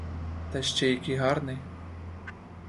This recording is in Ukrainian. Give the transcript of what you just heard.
Та й ще який гарний!